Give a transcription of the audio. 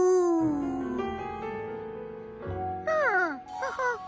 アハハハ。